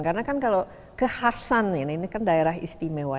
karena kan kalau ke khasan ini kan daerah istimewa